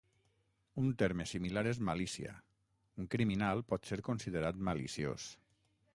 Un terme similar és malícia; un criminal pot ser considerat maliciós.